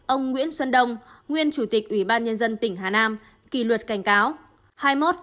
hai mươi ông nguyễn xuân đông nguyên chủ tịch ủy ban nhân dân tỉnh hà nam kỷ luật cảnh cáo